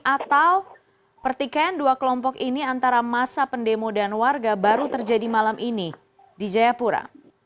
atau pertikaian dua kelompok ini antara masa pendemo dan warga baru terjadi malam ini di jayapura